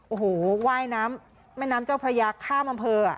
โอ้โหว่ายน้ำแม่น้ำเจ้าพระยาข้ามอำเภอ